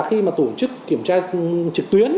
khi mà tổ chức kiểm tra trực tuyến